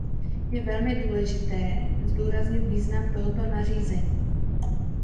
Je velmi důležité zdůraznit význam tohoto nařízení.